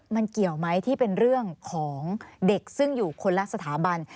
มันเกี่ยวไหมที่เป็นเรื่องของเด็กซึ่งอยู่คนละสถาบัน